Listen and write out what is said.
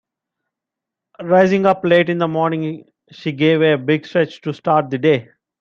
Rising up late in the morning she gave a big stretch to start the day.